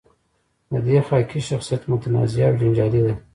د دې خاکې شخصیت متنازعه او جنجالي دی.